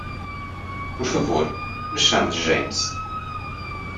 Por favor, me chame de James.